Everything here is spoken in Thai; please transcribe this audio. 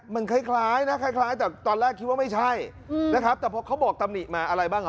มันคล้ายแต่ตอนแรกคิดว่าไม่ใช่แต่พอเค้าบอกตำนีมาอะไรบ้าง